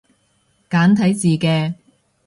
簡體字嘅